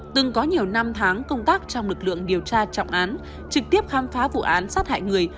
từng có nhiều năm tháng công tác trong lực lượng điều tra trọng án trực tiếp khám phá vụ án sát hại người